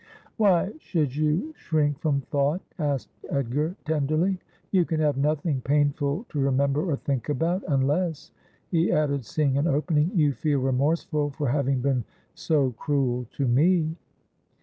' Why should you shrink from thought ?' asked Edgar tenderly. ' You can have nothing painful to remember or think about ; unless,' he added, seeing an opening, ' you feel remorseful for having been so cruel to me.'